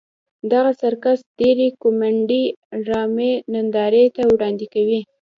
دغه سرکس ډېرې کومیډي ډرامې نندارې ته وړاندې کوي.